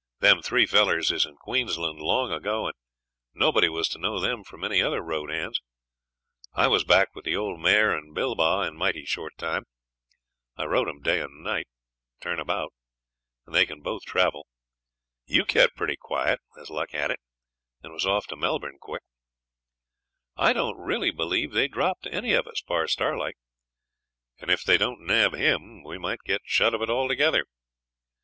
Them three fellers is in Queensland long ago, and nobody was to know them from any other road hands. I was back with the old mare and Bilbah in mighty short time. I rode 'em night and day, turn about, and they can both travel. You kept pretty quiet, as luck had it, and was off to Melbourne quick. I don't really believe they dropped to any of us, bar Starlight; and if they don't nab him we might get shut of it altogether.